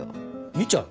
見ちゃう？